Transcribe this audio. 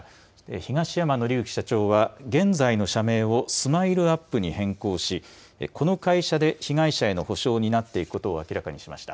東山紀之社長は現在の社名をＳＭＩＬＥーＵＰ．に変更し、この会社で被害者への補償を担っていくことを明らかにしました。